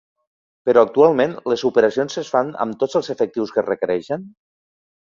Però, actualment, les operacions es fan amb tots els efectius que es requereixen?